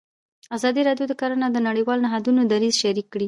ازادي راډیو د کرهنه د نړیوالو نهادونو دریځ شریک کړی.